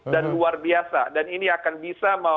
dan luar biasa dan ini akan bisa